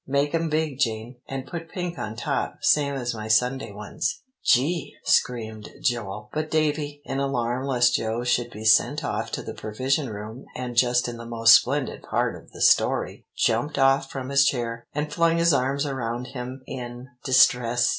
Make 'em big, Jane, and put pink on top, same as my Sunday ones.'" "Gee!" screamed Joel. But Davie, in alarm lest Joe should be sent off to the Provision Room and just in the most splendid part of the story, jumped off from his chair, and flung his arms around him in distress.